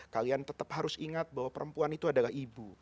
kalian tetap harus ingat bahwa perempuan itu adalah ibu